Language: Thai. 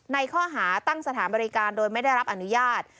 ในข้อหาตั้งสถานบริการโดยไม่ได้รับอนุญาต